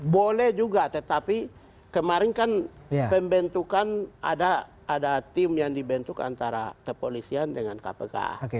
boleh juga tetapi kemarin kan pembentukan ada tim yang dibentuk antara kepolisian dengan kpk